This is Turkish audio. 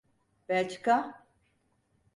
Belçika…